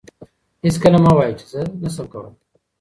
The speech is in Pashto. هیڅکله مه وایئ چي زه نشم کولای.